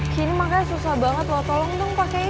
ki ini makanya susah banget loh tolong dong pakein